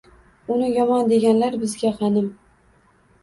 Uni yomon deganlar bizga g‘anim.